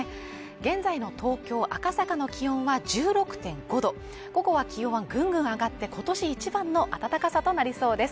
現在の東京・赤坂の気温は１６．５度午後は気温はぐんぐん上がって今年一番の暖かさとなりそうです